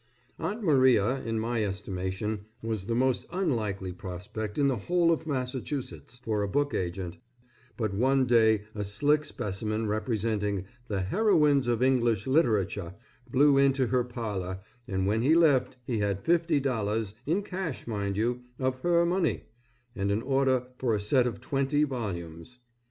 Aunt Maria, in my estimation, was the most unlikely prospect in the whole of Massachusetts, for a book agent, but one day a slick specimen representing, "The Heroines of English Literature," blew into her parlor, and when he left he had fifty dollars, in cash mind you, of her money, and an order for a set of twenty volumes.